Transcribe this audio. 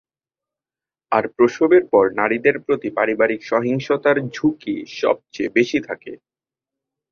আর প্রসবের পর নারীদের প্রতি পারিবারিক সহিংসতার ঝুঁকি সবচেয়ে বেশি থাকে।